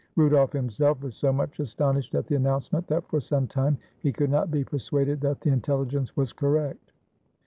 Rudolf himself was so much astonished at the announcement that for some time he could not be persuaded that the intelligence was correct.